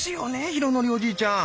浩徳おじいちゃん。